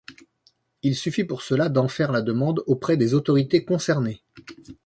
Il suffit pour cela d'en faire la demande auprès des autorités concernées.